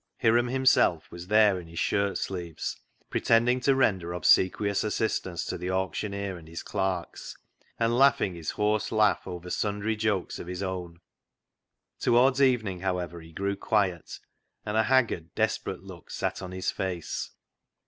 Hiram himself was there in his shirt sleeves, pretending to render obsequious assistance to the auctioneer and his clerks, and laughing his hoarse laugh over sundry jokes of his own. Towards evening, however, he grew quiet, and a haggard, desperate look sat on his face.